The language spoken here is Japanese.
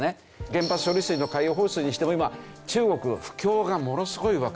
原発処理水の海洋放出にしても今中国不況がものすごいわけですよね。